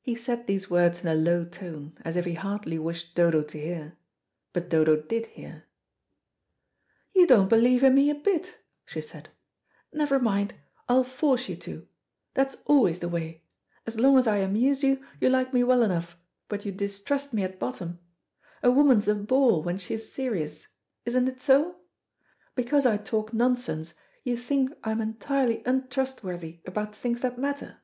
He said these words in a low tone, as if he hardly wished Dodo to hear. But Dodo did hear. "You don't believe in me a bit," she said. "Never mind, I will force you to. That's always the way as long as I amuse you, you like me well enough, but you distrust me at bottom. A woman's a bore when she is serious. Isn't it so? Because I talk nonsense you think I am entirely untrustworthy about things that matter."